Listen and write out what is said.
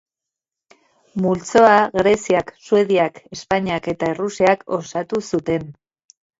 Multzoa Greziak, Suediak, Espainiak eta Errusiak osatu zuten.